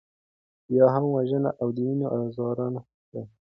بیا هم وژنه او د وینو ارزاني ده.